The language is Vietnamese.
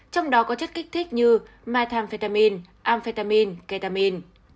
trong đó có chất kích thích như methamphetamine amphetamine ketamine